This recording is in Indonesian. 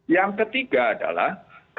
yang ketiga adalah